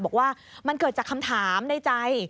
บอกว่ามันเกิดจากคำถามในใจ